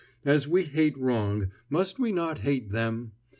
As we hate wrong, must we not hate them?